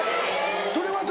それは誰？